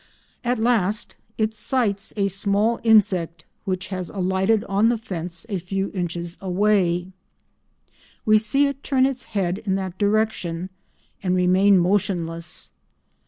At last it sights a small insect which has alighted on the fence a few inches away; we see it turn its head in that direction and remain motionless.